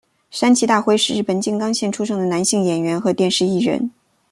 山崎大辉是日本静冈县出生的男性演员和电视艺人。